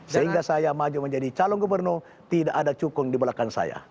sehingga saya maju menjadi calon gubernur tidak ada cukung di belakang saya